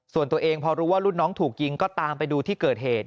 ส่วนตัวเองพอรู้ว่ารุ่นน้องถูกยิงก็ตามไปดูที่เกิดเหตุ